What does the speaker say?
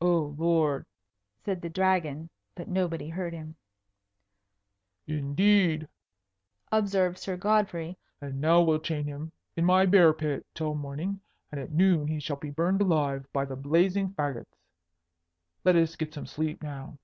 "Oh, Lord!" said the Dragon, but nobody heard him. "Indeed!" observed Sir Godfrey. "And now we'll chain him in my bear pit till morning, and at noon he shall be burned alive by the blazing fagots. Let us get some sleep now."